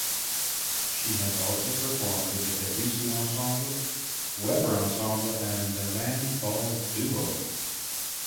She has also performed with The Debussy Ensemble, Weber Ensemble and Milan-Ball Duo.